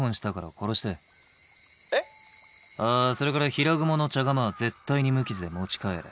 あそれから平蜘蛛の茶釜は絶対に無傷で持ち帰れ。